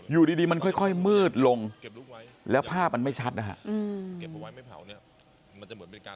อยู่ดีมันค่อยมืดลงแล้วภาพมันไม่ชัดนะฮะ